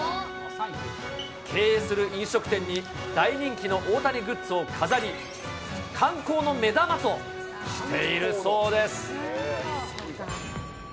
経営する飲食店に大人気の大谷グッズを飾り、観光の目玉としているそうです。